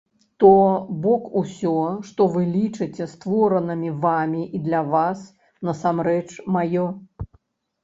То бок усё, што вы лічыце створаным вамі і для вас, насамрэч маё.